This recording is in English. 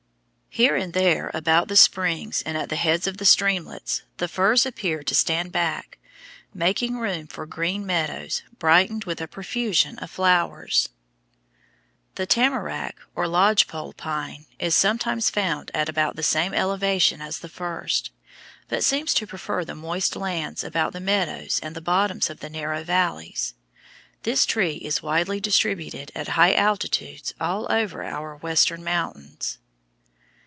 Here and there about the springs and at the heads of the streamlets the firs appear to stand back, making room for green meadows brightened with a profusion of flowers. [Illustration: FIG. 128. ALPINE HEMLOCKS] The tamarack, or lodge pole pine, is sometimes found at about the same elevation as the firs, but seems to prefer the moist lands about the meadows and the bottoms of the narrow valleys. This tree is widely distributed at high altitudes all over our Western mountains.